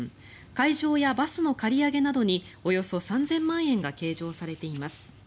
会場やバスの借り上げなどにおよそ３０００万円などが計上されています。